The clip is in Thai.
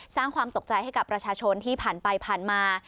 สร้างความตกใจให้กับประชาชนที่ผ่านไปผ่านมา